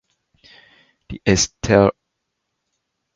The Estrela Mountain dog comes in two coat types.